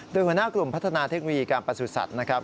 โดยหัวหน้ากลุ่มพัฒนาเทควีการประสุทธิ์สัตว์นะครับ